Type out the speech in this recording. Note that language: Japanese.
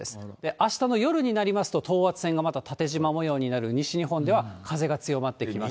あしたの夜になりますと、等圧線がまた縦じま模様になる西日本では風が強まってきます。